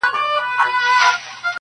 لا لکه غر پر لمن کاڼي لري.